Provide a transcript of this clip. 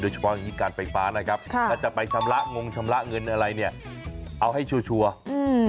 เฉพาะอย่างงี้การไฟฟ้านะครับค่ะถ้าจะไปชำระงงชำระเงินอะไรเนี่ยเอาให้ชัวร์ชัวร์อืม